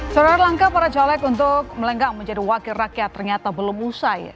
saudara langkah para caleg untuk melenggang menjadi wakil rakyat ternyata belum usai